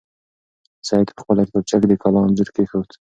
سعید په خپله کتابچه کې د کلا انځور کېښود.